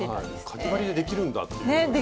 かぎ針でできるんだっていうのが。